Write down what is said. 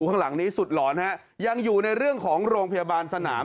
ข้างหลังนี้สุดหลอนฮะยังอยู่ในเรื่องของโรงพยาบาลสนาม